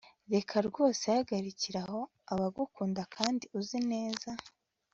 reka rwose hagarikiraho abagukunda kandi uzi neza